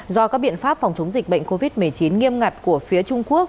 do các biện pháp phòng chống dịch bệnh covid một mươi chín nghiêm ngặt của phía trung quốc